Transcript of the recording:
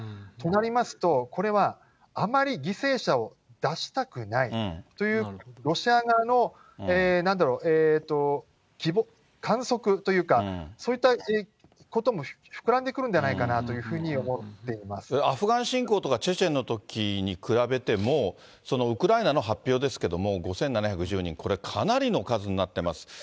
となりますと、これはあまり犠牲者を出したくないというロシア側のなんだろう、希望、観測というか、そういったことも膨らんでくるんではないかなというふうに思ってアフガン侵攻とかチェチェンのときに比べても、ウクライナの発表ですけれども、５７１０人、これ、かなりの数になってます。